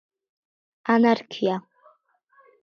ანარქია